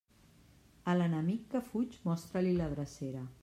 A l'enemic que fuig, mostra-li la drecera.